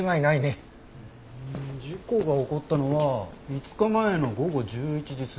事故が起こったのは５日前の午後１１時過ぎ。